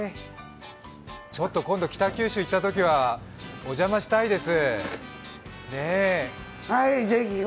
今度、北九州に行ったときにはお邪魔したいです。